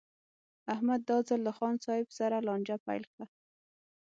احمد دا ځل له خان صاحب سره لانجه پیل کړه.